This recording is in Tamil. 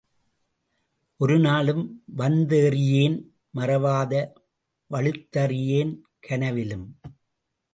ஒருநாளும் வந்தித்தறியேன், மறவாதே வழுத்தியறியேன் கனவினிலும்.